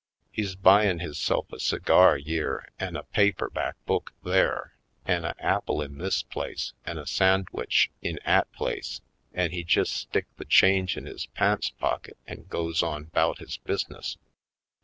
He's buyin' hisse'f a cigar yere an' a paper back book there an' a apple in this place an' a sandwitch in 'at place, an' he jest stick the change in his pants pocket an' goes on 'bout his bus'ness.